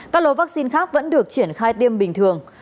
các lô vaccine khác vẫn được triển khai tiêm bình thường